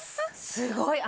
すごい。